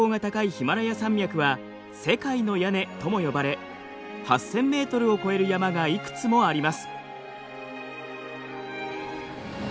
ヒマラヤ山脈は世界の屋根とも呼ばれ８，０００ｍを超える山がいくつもあります。